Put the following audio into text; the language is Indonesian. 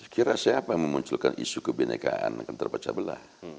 kira siapa yang memunculkan isu kebinekaan yang terpacabelah